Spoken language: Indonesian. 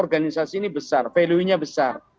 organisasi ini besar valuenya besar